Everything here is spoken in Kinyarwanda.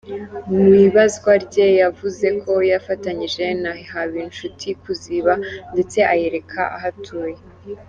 Mu ibazwa rye yavuze ko yafatanyije na Habinshuti kuziba; ndetse ayereka aho atuye.